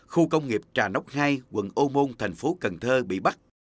khu công nghiệp trà nốc hai quận âu môn thành phố cần thơ bị bắt